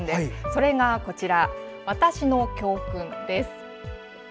それが、こちら「わたしの教訓」です。